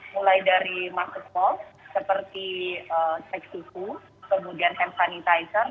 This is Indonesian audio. mulai dari masuk mal seperti seksiku kemudian hand sanitizer